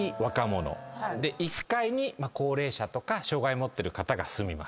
１階に高齢者とか障害を持ってる方が住みます。